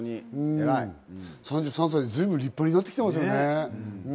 ３３歳で随分、立派になってきてますよね。